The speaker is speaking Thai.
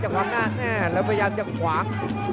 ขวางหน้าแล้วพยายามจะขวาง